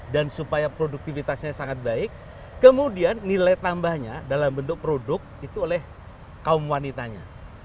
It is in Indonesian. dan supaya produktivitasnya sangat baik kemudian nilai tambahnya dalam bentuk produk itu oleh kaum wanitanya